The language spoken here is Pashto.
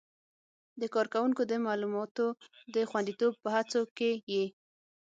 د کاروونکو د معلوماتو د خوندیتوب په هڅو کې یې